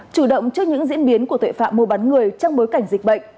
chủ động trước những diễn biến của tội phạm mua bán người trong bối cảnh dịch bệnh